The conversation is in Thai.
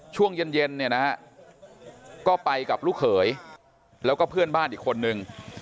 ช่วงเย็นเนี่ยนะฮะก็ไปกับลูกเขยแล้วก็เพื่อนบ้านอีกคนนึง